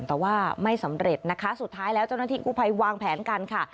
แต่ว่าไม่สำเร็จนะคะสุดท้ายแล้วเจ้าหน้าที่กู้ภัยวางแผนกันค่ะ